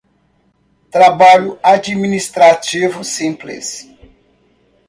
Trabalho administrativo simples